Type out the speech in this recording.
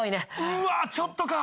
うわちょっとか。